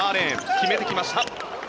決めてきました。